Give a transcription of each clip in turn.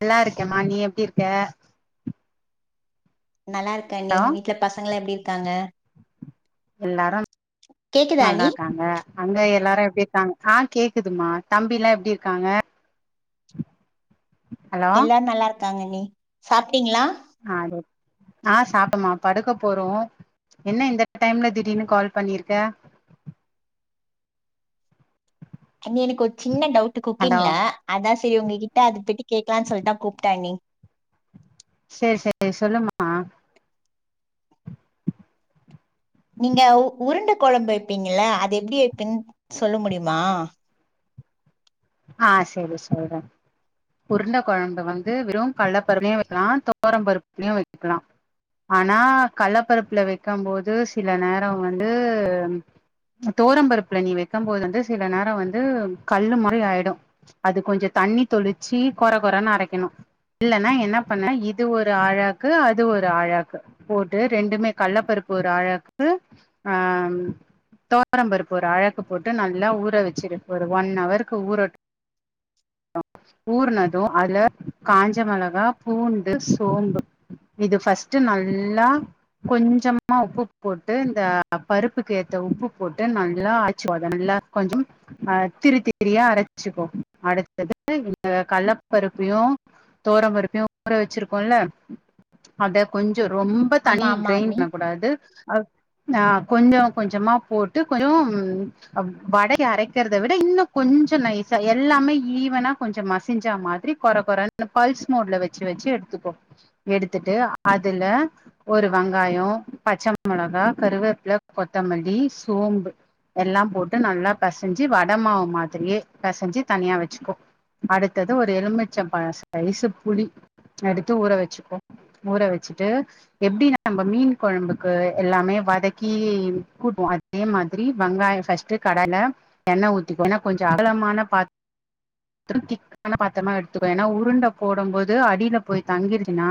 நல்லாருக்கேமா நீ எப்டி இருக்க நல்லாருக்கே அண்ணி ஹலோ உங் வீட்ல பசங்களா எப்டி இருக்காங்க எல்லாரு கேக்குதா அண்ணி நல்லாருக்காங்க அங்க எல்லாரு எப்டிருக்காங்க ஆ கேக்குதுமா தம்பிலா எப்டி இருக்காங்க ஹலோ எல்லாரு நல்லாருக்காங்க அண்ணி சாப்ட்டிங்ளா [inaudible] ஆ சாப்டோமா படுக்க போறோ என்ன இந்த டைம்ல திடீர்னு கால் பண்ணிருக்க அண்ணி எனக்கு ஒரு சின்ன டவுட் ஹலோ குக்கிங்ல அதா செரி உங்ககிட்ட அத பத்தி கேக்லான் சொல்லிட்தா கூப்ட்டே அண்ணி சேர் சேரி சொல்லுமா நீங்க உ உருண்ட கொழம்பு வப்பீங்கல்ல அது எப்டி வப்பின் சொல்ல முடியுமா ஆ சேரி சொல்றே உருண்ட கொழம்பு வந்து வெறு கல்லப்பருப்புலயு வைக்லா தொவரம் பருப்புலுயு வைக்லா ஆனா கல்லப்பருப்புல வைக்கும்போது சில நேரோ வந்து தோரம்பருப்புல நீ வைக்கும் போது வந்து சில நேரோ வந்து கல்லு மாரி ஆயி ரும் அது கொஞ்சோ தண்ணி தொளிச்சு கொற கொறன் அரைக்கணு இல்லன்னா என்ன பண்ணு இது ஒரு ஆழாக்கு அது ஒரு ஆழாக்கு போட்டு ரெண்டுமே கல்லப்பருப்பு ஒரு ஆழாக்கு ஆ தோரம்பருப்பு ஒரு ஆழாக்கு போட்டு நல்லா ஊற வச்சிரு ஒரு ஒன்னவருக்கு ஊற டு ஊர்ணது அதுல காஞ்ச மெழகா பூண்டு சோம்பு இது ஃபஸ்ட் நல்லா கொஞ்சமா உப்பு போட்டு இந்த பருப்புக்கு ஏத்த உப்பு போட்டு நல்லா ஆச்சி போதம் நல்லா கொஞ்சோ ஆ திருத்திரியா அரச் ச்சுக்கோ அடுத்தது இந்த கல்லப்பருப்யு துவரம் பருப்பயும் ஊற வச்சிருக்கோல்ல அத கொஞ்சோ ரொம் ப ஆமா தனி ஆமா கிரைண்ட் அண்ணி பண்ணக்கூடாது ஆ கொஞ்சம் கொஞ்சமா போட்டு கொஞ்சோ வடய அரைக்கிறத விட இன்னு கொஞ்சம் நை சா எல்லாமே ஈவனா கொஞ்சம் மசி்ஞ்சா மாரி கொற கொறன்னு பல்ஸ் மூட்ல வச்சு வச்சு எடுத்துக்கோ எடுத்துட்டு அதுல ஒரு வெங்காயோ பச்ச மொளகா கருவேப்பில கொத்தமல்லி சோம்பு எல்லாம் போட்டு நல்லா பெசஞ்சு வட மாவு மாதிரியே பெசஞ்சு தனியா வச்சுக்கோ அடுத்தது ஒரு எலுமிச்ச பழ சைசு புளி எடுத்து ஊற வச்சுக்கோ ஊற வச்சுட்டு எப்டி நம்ம மீன் கொழம்புக்கு எல்லாமே வதக்கி கூட்டுவோ அதே மாதிரி வெங்காயம் ஃபர்ஸ்ட் கடாய்ல எண்ணெய் ஊத்திக்கோ ஏன்னா கொஞ்சோ அகலமான பாத் திக்கான பாத்ரமா எடுத்துகோ ஏன்னா உருண்ட போடும் போது அடில போய் தங்கிருச்சுனா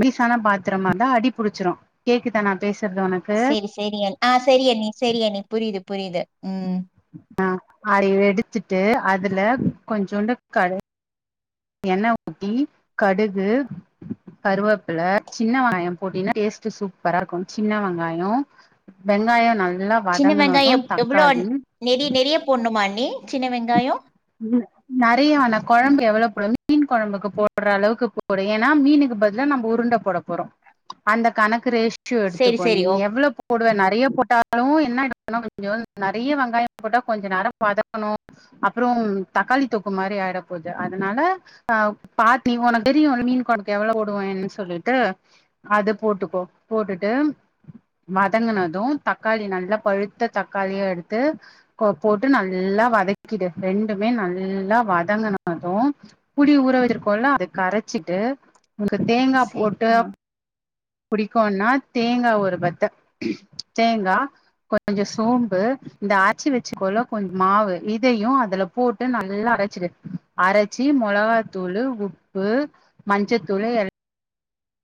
பீசான பாத்ரமா ருந்தா அடி புடிச்சிரு கேக்குதா நா பேசுறது உனக் சேரி சேரி ஆ சேரியண்ணி சேரியண்ணி புரியுது புரியுது ம் ஆ அத எடுத்துட்டு அதுல கொஞ்சோண்டு க எண்ண ஊத்தி கடுகு கருவேப்புல சின்ன வெங்காய போட்டினா டேஸ்ட் சூப்பரா இருக்கும் சின்ன வெங்காயோ வெங்காயம் நல்லா சின்ன வெங்காயோ வதங்குனது எவ் எவ்ளோ அண் தக்காளி நெறிய நெறிய போண்ணுமா அண்ணி சின்ன வெங்காயோ உ நறைய வெனா கொழம்பு எவ்ளோ போழு மீன் குழம்புக்கு போடுற அளவுக்கு போடு ஏன்னா மீனுக்கு பதிலா நம்ம உருண்ட போட போறோ அந்த கணக்கு ரேஷியோ சேரி எடுத்துக்கோ நீ சேரி ஓ எவ்ளோ போடுவே நெறைய போட்டாலு என்ன எடுக்கணு கொஞ்சம் நெறைய வெங்காயம் போட்டா கொஞ்சம் நேரம் வதக்ணு அப்றோம் தக்காளி தொக்கு மாறி ஆயிட போது அதுனால அ பாட்டி உனக்கு தெரியுல மீன் கொழம்க்கு எவ்ளோ போடுவேன் சொல்லிட்டு அது போட்டுக்கோ போட்டுட்டு வதங்கினது தக்காளி நல்லா பழுத்த தக்காளியா எடுத்து போ போட்டு நல்லா வதக்கிடு ரெண்டுமே நல்லா வதங்குனது புளி ஊற வச்சிருக்கோம்ல அது கரைச்சிட்டு உனக்கு தேங்கா சேரி போட்டு ஆ புடிக்குன்னா தேங்கா ஒரு பத்த தேங்கா கொஞ்சோ சோம்பு இந்த ஆச்சி வச்சிக்கோள்ள கொஞ் மாவு இதையு அதுல போட்டு நல்லா அரைச்சிடு அரைச்சி மொளகாத்தூளு உப்பு மஞ்சத்தூளு எல்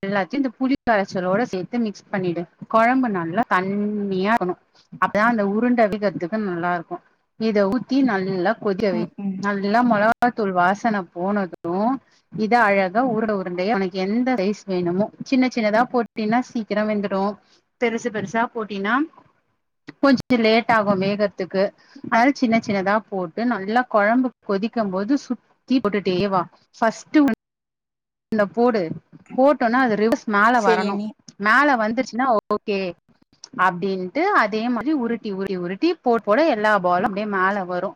எல்லாத்யு இந்த புளி கரைச்சலோட சேத்து மிக்ஸ் பண்ணிடு கொழம்பு நல்லா தண்ணியா ஆகணு அப்பதா அந்த உருண்ட புடிக்கிறதுக்கு நல்லா இருக்கு இத ஊத்தி நல்லா கொதிக்க வை ம் ம் நல்லா மொழவா தூள் வாஸ்ன போனது இத அழகா ஊருட உருண்டையா உனக்கு எந்த சைஸ் என்னமோ சின்ன சின்னதா போட்டினா சீக்கிரம் வெந்துடு பெருசு பெருசா போட்டினா கொஞ்ச லேட் ஆகும் வேகறத்துக்கு அதனால சின்ன சின்னதா போட்டு நல்லா கொழம்பு கொதிக்கம் போது சுத்தி போட்டுட்டேவா ஃபஸ்ட் உ ஒன்ன போடு போட்டோனா அது ரிவர்ஸ் மேல சேரி வரணு அண்ணி மேல வந்துருச்சுனா ஓகே அப்டின்ட்டு அதே மாறி உருட்டி உருட்டி உருட்டி போட போட எல்லா பாலு அப்டியே மேல வரு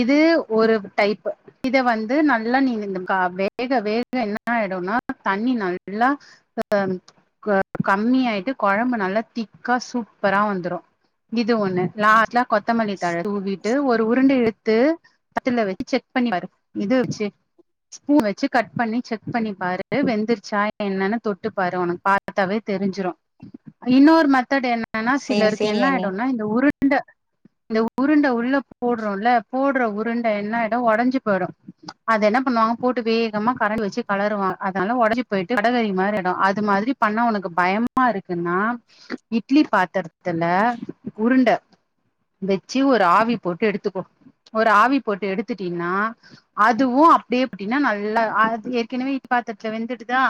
இது ஒரு டைப் இத வந்து நல்லா நீ இத வேக வே என்ன ஆயிடுனா தண்ணி நல்லா அ கம்மியாயிட்டு கொழம்பு நல்லா திக்கா சூப்பரா வந்துரு இது ஒண்ணு லாஸ்ட்ல கொத்தமல்லி தழ தூவிட்டு ஒ உருண்டு எடுத்து பத்துல வச்சு செக் பண்ணி பாரு இது வச்சு ஸ்பூன் வச்சு கட் பண்ணி செக் பண்ணி பாரு வெந்துருச்சா என்னனு தொட்டு பாரு உனக்கு பாத்தாவே தெரிஞ்சிரு இன்னொரு மெத்தட் என்னனா சேரி சிலருக்கு சேரி என்ன அண்ணி ஆயிடுனா இந்த உருண்ட இந்த உருண் உள்ள போடுறோல போடுற உருண்ட என்ன ஆயிடு ஒடஞ்சு போயிடு அது என்ன பண்ணுவாங்க போட்டு வேகமா கரண்டி வச்சு கலருவாங்க அதனால ஒடஞ்சு போயிட்டு வடகறி மாறி ஆயிடு அது மாறி பண்ணா உனக்கு பயமா இருக்குனா இட்லி பாத்திரத்துல உருண்ட வச்சு ஒரு ஆவி போட்டு எடுத்துக்கோ ஒரு ஆவி போட்டு எடுத்துட்டீனா அதுவு அப்டியே போட்டீனா நல்லா ஆ ஏற்கனவே இட்லி பாத்திரத்துல வெந்திடுதா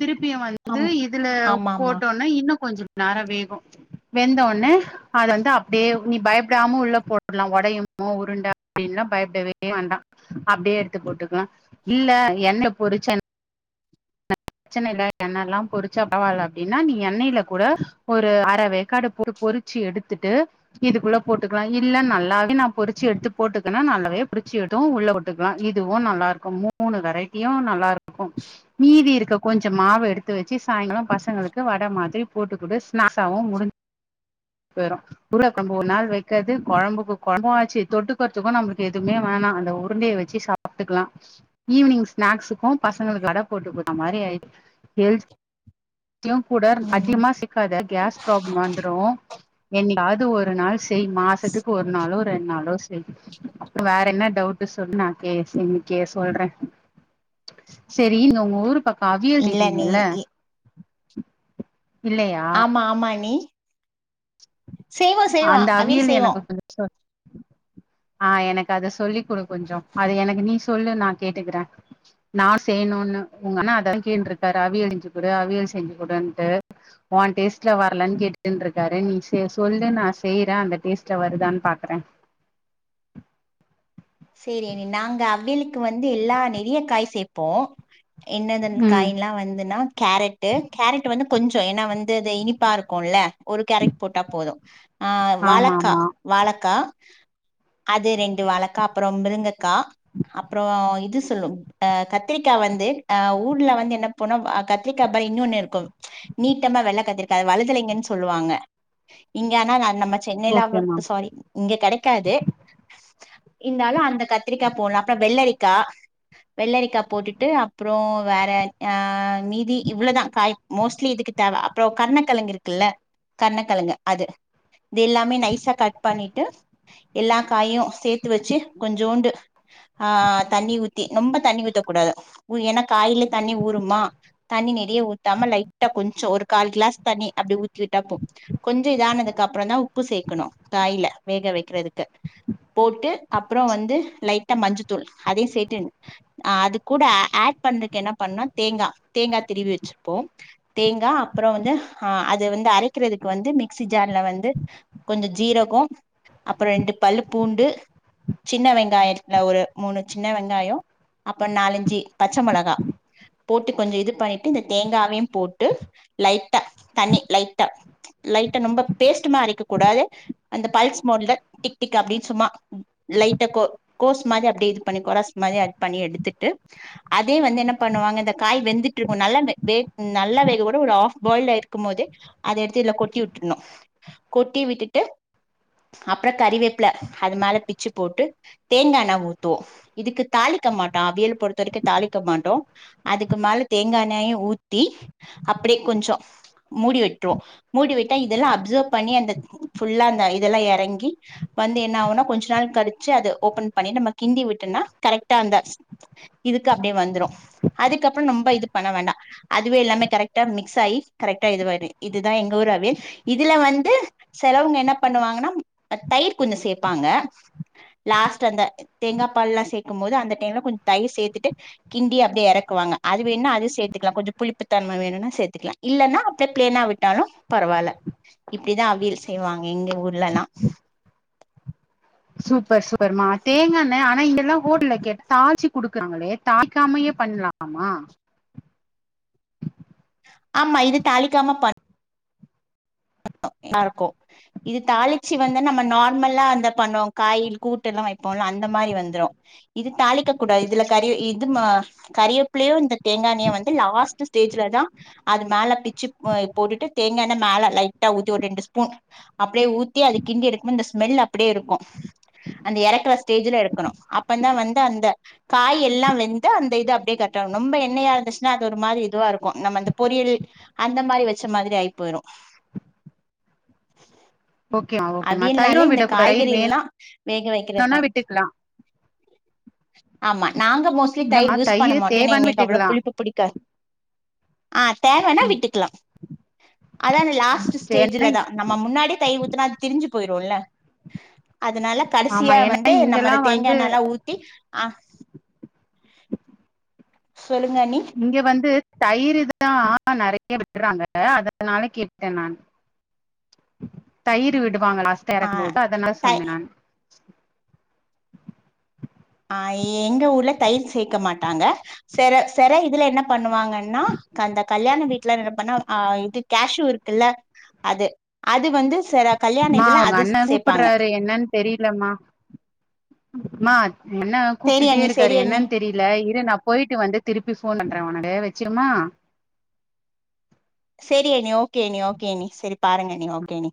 திருப்பியு வந்து ஆம் இதுல ஆமா ஆமா போட்டோன் இன்னு கொஞ்ச நேரோ வேகு வெந்தோன்ன அத வந்து அப்டியே நீ பயப்படாம உள்ள போட்றலா ஒடையுமோ உருண்ட அப்டினுலா பயப்படவே வேண்டா அப்டியே எடுத்து போட்டுகலா இல்ல என்ன பொருச்சன் பிரச்சன இல்ல எண்ணெல்லா பொரிச்சா பரவால அப்டினா நீ எண்ணெயில கூட ஒரு அர வேக்காடு போட்டு பொரிச் ச்சி எடுத்துட்டு இதுக்குள்ள போட்டுக்கலா இல்ல நல்லாவே நா பொரிச்சு எடுத்து போட்டுக்கனா நல்லாவே பொரிச்சு எடு உள்ள போட் த்துக்கலா இதுவு நல்லா இருக்கு மூணு வெரைட்டியு நல்லா இருக்கு மீதி இரு கொஞ்ச மாவு எடுத்து வச்சு சாயங்கால பசங்களுக்கு வட மாதிரி போட்டுக்கொடு ஸ்நாக்ஸாவு முடிஞ்சு போயிரு உருள கொழம்பு ஒரு நாள் வைக்காது கொழம்புக்கு கொழம்பு ஆச்சு தொட்டுக்கறத்துக்கும் நம்மளுக்கு எதுமே வேணா அந்த உருண்டைய வச்சு சாப் பாத்துக்லா ஈவினிங் ஸ்நாக்ஸுக்கு பசங்களுக்கு வட போட்டு குடுத்த மாறி ஆயிடு ஹெல்த் தியு கூட ம் அதிகமா சிக்காத கேஸ் ப்ராப்ளம் வந்துரு எங்காவது ஒரு நாள் செய் மாசத்துக்கு ஒரு நாளோ ரெண் நாளோ செய் அப்ப வேற என்ன டவுட் சொல்லு கே இன்னைக்கே சொல்ற சரி நீங்க உங்க ஊரு பக்க அவியல் இல்ல நீ செய்வீங்கல்ல இ இல்லையா ஆமா ஆமா நீ அந்த அவியல் எனக்கு கொஞ்ச சொல் ஆ எனக்கு அத சொல்லி் கொடு கொஞ்ச அது எனக்கு நீ சொல்லு நா கேட்டுக்குற நா செய்யணுனு உங்கன்னா அதக் கேட்ருக்காரு அவியல் செஞ்சு கொடு அவியல் செஞ்சு கொடுன்ட்டு உ டேஸ்ட்ல வரலன் கேட்டுண்ட்டு இருக்காரு நீ நீ சொல்லு நா செய்ற அந்த டேஸ்ட்டுல வருதுதானு பாக்குற சரி அண்ணி நாங்க அவியலுக்கு வந்து எல்லா நெறய காய் சேப்போ என்னதன் ம் காய்ல்லா வந்துன்னா கேரட்டு கேரட் வந்து கொஞ்ச ஏன்னா வந் து இனிப்பா இருக்குல ஒரு கேரட் போட்டா போது அ ஆமா வாழக்கா ஆமா வாழைக்கா அது ரெண்டு வாழைக்கா அப்பற மிருங்கக்கா அப்புற இது சொல்லு அ கத்திரிக்கா வந்து அ ஊர்ல வந்து என்ன போனா அ கத்ரிக்கா அப்ப இன்னொன்னு இருக்கு நீட்டமா வெள்ள கத்திரிக்கா அது வலதலைங்கன் சொல்லுவாங்க இங்க ஆனா நம்ம சென்னைில அவ்ளோ ஓகேமா சாரி இங்க கெடைக்காது இந்தாலு அந்த கத்திரிக்கா போட்லா அப்ற வெள்ளரிக்கா வெள்ளரிக்கா போட்டுட்டு அப்புறோ வேற ஆ மீதி இவ்ளோதா காய் மோஸ்ட்லி இதுக்கு தேவ அப்றோ கர்ணக்கெழங்கு இருக்குல்ல கர்ணக்கெழங்கு அது இது எல்லாமே நைஸா கட் பண்ணிட்டு எல்லா காயு சே த்து வெச்சு கொஞ்சோண்டு ஆ தண்ணி ஊத்தி ரொம்ப தண்ணி ஊத்த கூடாது உ ஏனா காயில்லே தண்ணி ஊறுமா தண்ணி நெறைய ஊத்தாம லைட்டா கொஞ்சோ ஒரு கால் கிளாஸ் தண்ணி அப்டி ஊத்திவிட்டா போ கொஞ்சோ இதானதுக்கப்றந்தா உப்பு சேக்கணு காய்ல வேக வெக்றதுக்கு போட்டு அப்புறோ வந்து லைட்டா மஞ்சத்தூள் அதையு சேத்து அ அதுக்கூட ஆட் பண்றக்கு என்ன பண்ணோ தேங்கா தேங்கா திருவி வெச்சிர்ப்போ தேங்கா அப்புற வந்து ஆ அது வந்து அரைக்கிறதுக்கு வந்து மிக்சி ஜார்ல வந்து கொஞ்சோ ஜீரகோ அப்புற ரெண்டு பல்லு பூண்டு சின்ன வெங்காயத்துல ஒரு மூணு சின்ன வெங்காயோ அப்பன் நாலஞ்சு பச்ச மெளகா போட்டு கொஞ்சு இது பண்ணிட்டு இந்த தேங்காவையு போட்டு லைட்டா தண்ணி லைட்டா லைட்டா ரொம்ப பேஸ்ட் மா அரைக்க கூடாது அந்த பல்ஸ் மோட்ல டிக் டிக் அப்டி சும்மா லைட்ட கோ கோஸ் மாரி அப்டியே இது பண்ணி கொரஸ் மாரி அட் பண்ணி எடுத்துட்டு அதே வந்து என்ன பண்ணுவாங்க இந்த காய் வெந்துட்ருக்கு நல்லா வே ம் நல்ல வேக கூட ஒரு ஆஃப் பாயில்ல இருக்கும் போது அத எடுத்து இத்ல கொட்டி வுட்ருனு கொட்டி விட்டுட்டு அப்றோ கறிவேப்புல அது மேல பிச்சு போட்டு தேங்காண்ணே ஊத்துவோ இதுக்கு தாளிக்க மாட்டோ அவியல் பொறுத்த வரைக்கு தாளிக்க மாட்டோ அதுக்கு மேல தேங்கா எண்ணெயு ஊத்தி அப்படே கொஞ்சோ மூடிவிட்ருவோ மூடிவிட்டா இதெல்லா அப்சவ் பண்ணி அந்த ஃபுல்லா அந்த இதெல்லா எறங்கி வந்து என்ன ஆகுனா கொஞ்ச நேர கழச்சு அது ஓபன் பண்ணி நம்ம கிண்டி விட்டோனா கரெக்டா அந்த இதுக்கு அப்டே வந்துரு அதுக்கப்புறோ ரொம்ப இது பண்ண வேண்டா அதுவே எல்லாமே கரெக்டா மிக்ஸ் ஆயி கரெக்டா இதுவாய்டு இதுதா எங்க ஊரு அவியல் இதுல வந்து செலவுங்க என்ன பண்ணுவாங்கன்னா அ தயிர் கொஞ்ச சேப்பாங்க லாஸ்ட் அந்த தேங்கா பால்லா சேக்கும்போது அந்த டைம்ல கொஞ் தயிர் சேத்துட்டு கிண்டி அப்டியே எறக்குவாங்க அது வேண்னா அதையு சேத்துக்கலா கொஞ்ச புளிப்புத்தன்ம வேணுனா சேத்துக்லா இல்லன்னா அப்படே பிளேனா விட்டாலு பரவால்ல இப்டிதா அவியல் செய்வாங்க எங்க ஊர்லல்லா சூப்பர் சூப்பர்மா தேங்கா எண்ணெ ஆனா இங்கெல்லா ஹோட்ல்ல கேட்ட தாள்ச்சு குடுக்குறாங்களே தாளிக்காமயே பண்லா ஆமா ஆமா இது தாளிக்காம ப [unintelligible] இருக்கும் இது தாளிச்சி வந்து நம்ம நார்மலா அந்த பண்ணு வாங் காயில் கூட்டெல்லா வைப்போல அந்த மாரி வந்துரு இது தாளிக் க கூடாது இதுல கரி இதுமா கரியேப்புலியு இந்த தேங்கா எண்ணெயு வந்து லாஸ்ட் ஸ்டேஜ்லதா அது மேலே பிச்சு அ போட்டுட்டு தேங்கா எண்ணெ மேல லைட்டா ஊத்தி ஒரு ரெண்டு ஸ் பூன் அப்படியே ஊத்தி அது கிண்டி எடுக்கும்போ இந்த ஸ்மெல் அப்படியேருக்கு அந்த எறக்குற ஸ்டேஜ்ல எறக்கணு அப்பந்தா வந்து அந்த காய் எல்லா வெந்து அந்த இது அப்டியே கட்டு ரொம்ப எண்ணெயா இருந்துச்சுன்னா அது ஒரு மாரி இதுவா இருக்கு நம்ம அந்த பொரியல் அந்த மாரி வெச்ச மாதிரி ஆய் போயிரு ஓகேமா ஓகேமா தயிரு அவியல்னாலே இந்த விடக்கூடாது தயிர் காய்கறியெல்லா வேக வேணுனா வைக்கிறத்தா விட்டுக்கலா ஆமா நாங்க மோஸ்ட்லி இல்லமா தயிர் யூஸ் பண்ண தயிரு மாட்டோ ஏனா தேவன்னு எங்ளுக் அவ்வளோ விட்டுக்கலா புளிப்பு புடிக்கா ஆ தேங்கெண்ணே விட்டுக்லா அதா அந்த லாஸ்ட்டு ஏன்னா ஸ்டேஜ்ல தா நம்ம முன்னாடி தயிர் ஊத் னா திரிஞ்சி போயிருல்ல அதனால ஆமா கடசியா ஏன்னா வந்து நம்ம இங்கெல்லா அந்த தேங்கா வந்து எண்ணெல ஊத்தி அ சொல்லுங்க அண்ணி இங்க வந்து தயிரு தா நெறையா விட்றாங்க அதனால கேட்டே நானு தயிரு விடுவாங்க லாஸ்டா ஆ ஏறக்கும் போது தா அதனால த சொன்னே நானு அ எங்க ஊர்ல தயிர் சேக்க மாட்டாங்க செர செர இதுல என்ன பண்ணுவாங்கன்னா அந்த கல்யாண வீட்ல என்ன பண்ணா ஆ இது கேஷ்யூ இருக்குல்ல அது அது வந்து செல கல்யாண இதுல அது சேப்பாங்க தெரிலமா மா அண்ணா சேரி கூப்டுட்டே அண்ணி சேரி இருக்காரு அண்ணி என்னன் தெரி ல இரு நா போய்ட்டு வந்து திருப்பி ஃபோன் பண்றே உனக்கு வெச்சிட்டுமா செரி அண்ணி ஓகே அண்ணி ஓகே அண்ணி செரி பாருங்க அண்ணி ஓகே அண்ணி